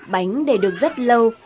bánh để được rất lâu